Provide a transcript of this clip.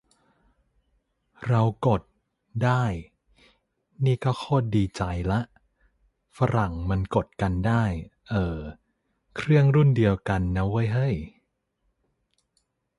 เรากด ได้ นี่ก็โคตรดีใจละ ฝรั่งมันกดกันได้ เอ่อ เครื่องรุ่นเดียวกันนะเว้ยเฮ้ย